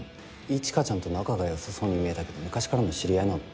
一華ちゃんと仲が良さそうに見えたけど昔からの知り合いなの？